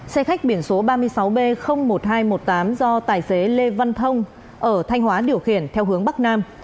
xe khách biển số ba mươi sáu b một nghìn hai trăm một mươi tám do tài xế lê văn thông ở thanh hóa điều khiển theo hướng bắc nam